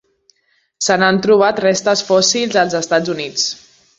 Se n'han trobat restes fòssils als Estats Units.